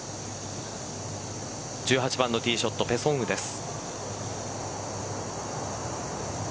１８番のティーショットペ・ソンウです。